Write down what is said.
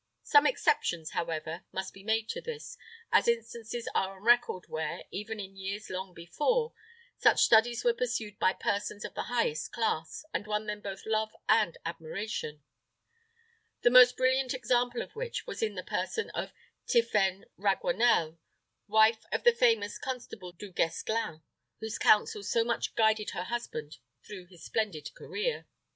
Some exceptions, however, must be made to this, as instances are on record where, even in years long before, such studies were pursued by persons of the highest class, and won them both love and admiration; the most brilliant example of which was in the person of Tiphaine Raguenel, wife of the famous Constable du Guesclin, whose counsels so much guided her husband through his splendid career.